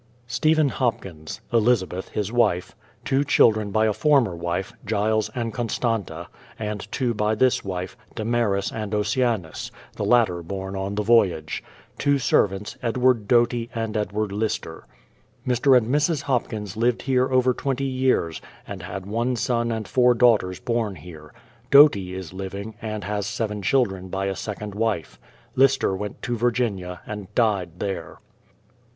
STEPHEN HOPKINS; Elizabeth, his wife; two children by a former wife, Giles and Constanta; and two by this wife, Damaris and Oceanus — the latter born on the voyage; two servants, ED\^^ARD DOTY and EDWARD LISTER. S42 BRADFORD'S HISTORY OF Mr. and Mrs. Hopkins lived here over tvi^enty years, and had one son and four daughters born here. Doty is living, and has seven children by a second wife. Lister went to Virginia and died there.